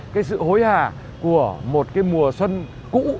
cái sự hối hà của một mùa xuân cũ